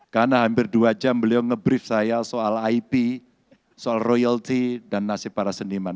karena hampir dua jam beliau ngebrief saya soal ip soal royalty dan nasib para seniman